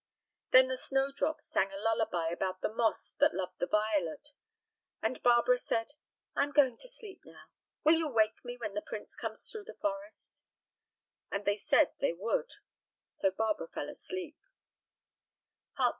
Then the snowdrop sang a lullaby about the moss that loved the violet. And Barbara said, "I am going to sleep; will you wake me when the prince comes through the forest?" And they said they would. So Barbara fell asleep.